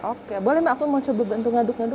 oke boleh mbak aku mau coba bantu ngaduk ngaduk